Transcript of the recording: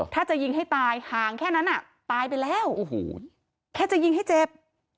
ถ้าจะยิงให้ตายห่างแค่นั้นอ่ะตายไปแล้วโอ้โหแค่จะยิงให้เจ็บ